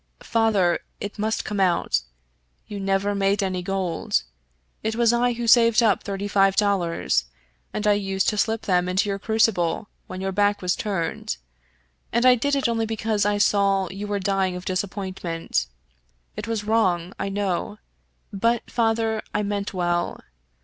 " Father — it must come out. You never made any gold. It was I who saved up thirty five dollars, and I used to slip them into your crucible when your back was turned — ^and I did it only because I saw that you were dying of disap pointment. It was wrong, I know — ^but, father, I meant well.